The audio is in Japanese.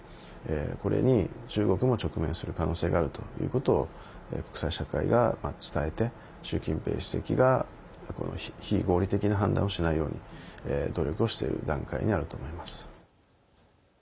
これに、中国も直面する可能性があるということを国際社会が伝えて、習近平主席が非合理的な判断をしないように努力をしている段階にあると思います。